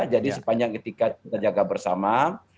jadi sepanjang etika kita jaga bersama